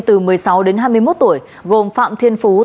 từ một mươi sáu đến hai mươi một tuổi gồm phạm thiên phú